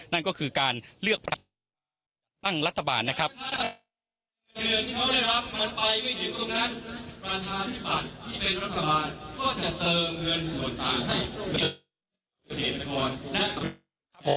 นั่นก็คือการเลือกพักตั้งรัฐบาลนะครับ